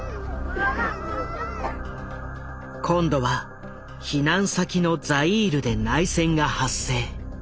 今度は避難先のザイールで内戦が発生。